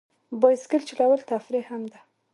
بایسکل چلول تفریح هم دی.